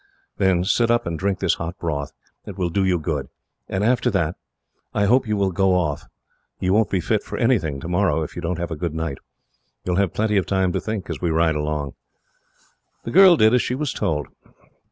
"Then sit up, and drink this hot broth. It will do you good. And after that, I hope you will go off. You won't be fit for anything, tomorrow, if you don't have a good night. You will have plenty of time to think, as we ride along." The girl did as she was told.